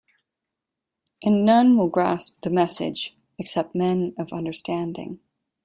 And none will grasp the Message except men of understanding.